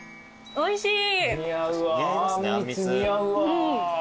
おいしい。